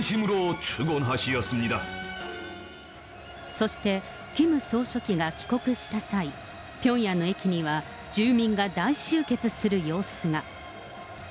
そして、キム総書記が帰国した際、ピョンヤンの駅には住民が大集結する様子が。